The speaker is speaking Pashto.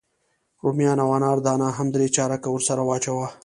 رومیان او انار دانه هم درې چارکه ورسره واچوه.